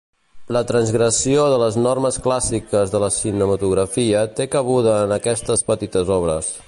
La transgressió de les normes clàssiques de la cinematografia té cabuda en aquestes petites obres.